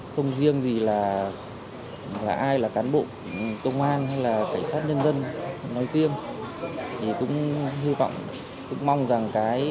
không riêng gì là ai là cán bộ công an hay là cảnh sát nhân dân